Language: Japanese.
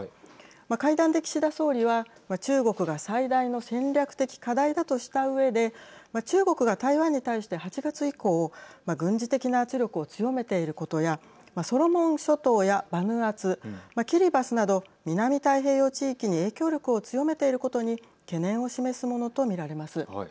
会談で岸田総理は、中国が最大の戦略的課題だとしたうえで中国が台湾に対して８月以降軍事的な圧力を強めていることやソロモン諸島やバヌアツキリバスなど南太平洋地域に影響力を強めていることに懸念を示すものと見られます。